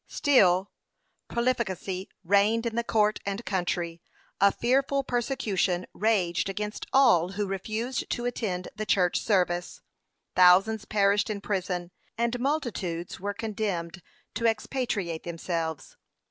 Still profligacy reigned in the court and country a fearful persecution raged against all who refused to attend the church service. Thousands perished in prison, and multitudes were condemned to expatriate themselves.